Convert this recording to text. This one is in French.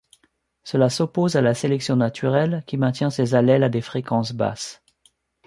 Cela s'oppose à la sélection naturelle qui maintient ces allèles à des fréquences basses.